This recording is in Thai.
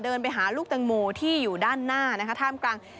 เดินไปหาลูกแตงโมที่อยู่ด้านหน้านะคะท่ามกลาง